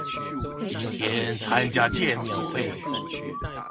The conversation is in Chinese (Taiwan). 今天參加見面會